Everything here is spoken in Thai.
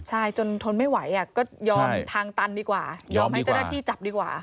ใช่จนทนไม่ไหวก็ยอมทางตันดีกว่ายอมให้เจ้าหน้าที่จับดีกว่า